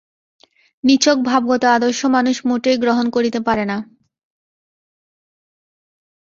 নিছক ভাবগত আদর্শ মানুষ মোটেই গ্রহণ করিতে পারে না।